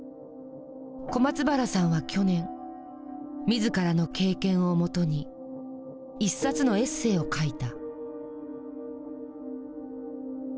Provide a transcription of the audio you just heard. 小松原さんは去年自らの経験をもとに一冊のエッセーを書いた。